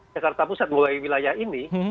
jakarta pusat mulai wilayah ini